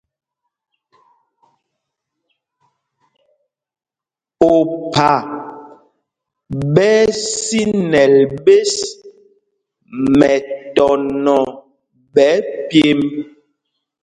Opha ɓɛ́ ɛ́ sínɛl ɓēs mɛtɔnɔ ɓɛ̌ pyêmb.